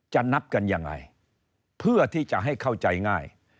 นับกันยังไงเพื่อที่จะให้เข้าใจง่าย